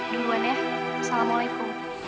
duluan ya assalamualaikum